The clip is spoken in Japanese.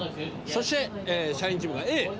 そして社員チームが「Ａ」。